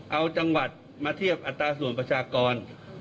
เอาจังหวัดมาเทียบอัตราส่วนประชากร